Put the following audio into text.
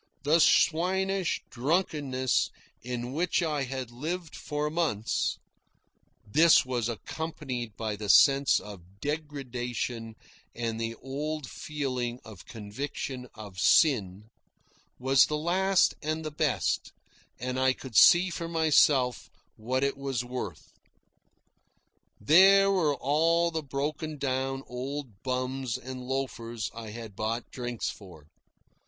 The swinish drunkenness in which I had lived for months (this was accompanied by the sense of degradation and the old feeling of conviction of sin) was the last and best, and I could see for myself what it was worth. There were all the broken down old bums and loafers I had bought drinks for.